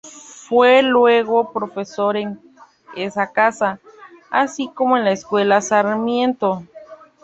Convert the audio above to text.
Fue luego profesor en esa casa, así como en la Escuela Sarmiento.